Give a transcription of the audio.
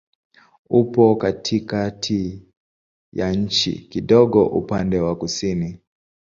Upo katikati ya nchi, kidogo upande wa kusini.